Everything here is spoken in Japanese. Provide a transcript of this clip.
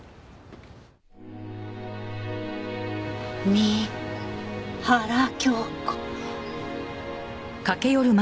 三原京子。